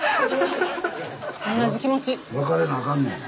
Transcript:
同じ気持ち。